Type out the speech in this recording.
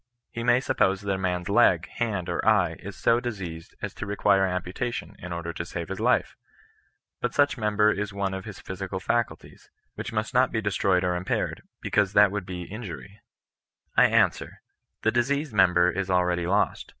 He may suppose that a man's leg, hand, or eye, is so diseased as to re quire amputation, in order to save his life. But such member is one of his physical faculties, which must not 8 CHftlSTIAN KOV BrailSTANGE. be destroyed or impaired, because that would be an tn jufy* I answer. The diseased member is already lost.